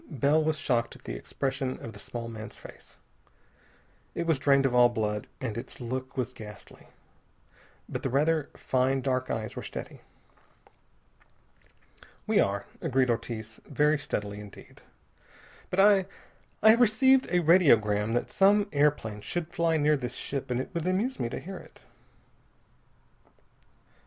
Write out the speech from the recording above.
Bell was shocked at the expression on the small man's face. It was drained of all blood, and its look was ghastly. But the rather fine dark eyes were steady. "We are," agreed Ortiz, very steadily indeed, "but I I have received a radiogram that some airplane should fly near this ship, and it would amuse me to hear it."